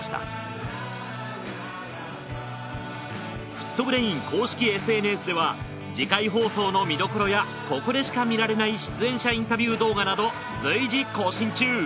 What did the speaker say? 『ＦＯＯＴ×ＢＲＡＩＮ』公式ＳＮＳでは次回放送の見どころやここでしか見られない出演者インタビュー動画など随時更新中。